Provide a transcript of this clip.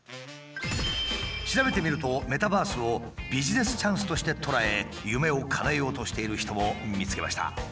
調べてみるとメタバースをビジネスチャンスとして捉え夢をかなえようとしている人も見つけました。